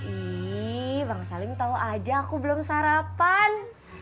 ih bang salim tau aja aku belum sarapan